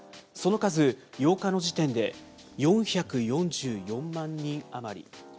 その数、８日の時点で、４４４万人余り。